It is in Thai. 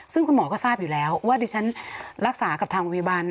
ซึ่งคุณหมอก็ทราบอยู่แล้วว่าดิฉันรักษากับทางพยาบาล